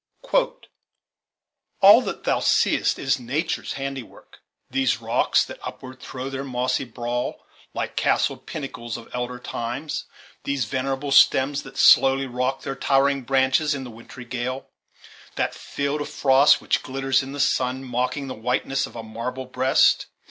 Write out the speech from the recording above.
CHAPTER III "All that thou see'st is Natures handiwork; Those rocks that upward throw their mossy brawl Like castled pinnacles of elder times; These venerable stems, that slowly rock Their towering branches in the wintry gale; That field of frost, which glitters in the sun, Mocking the whiteness of a marble breast!